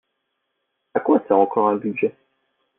À quoi sert encore un budget?